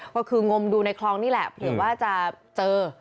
ก็คืองมดูในคลองนี่แหละเผื่อว่าจะเจอ